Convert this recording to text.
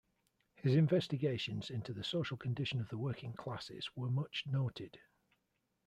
His investigations into the social condition of the working classes were much noted.